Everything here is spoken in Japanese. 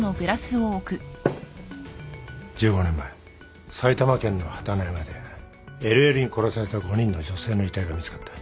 １５年前埼玉県の榛野山でＬＬに殺された５人の女性の遺体が見つかった。